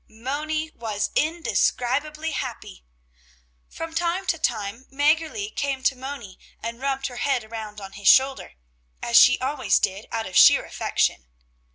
Moni was indescribably happy. From time to time Mäggerli came to Moni and rubbed her head around on his shoulder, as she always did out of sheer affection.